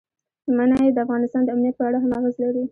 منی د افغانستان د امنیت په اړه هم اغېز لري.